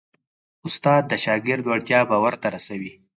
استاد د شاګرد وړتیا باور ته رسوي.